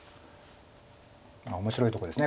面白いところです。